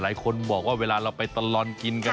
หลายคนบอกว่าเวลาเราไปตลอดกินกัน